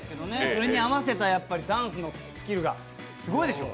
それに合わせたダンスのスキルがすごいでしょ！